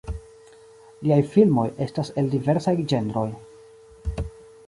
Liaj filmoj estas el diversaj ĝenroj.